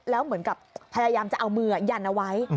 แล้วเหมือนกับพยายามจะเอามือยันเอาไว้